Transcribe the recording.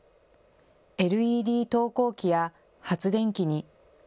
ＬＥＤ投光器や発電機に。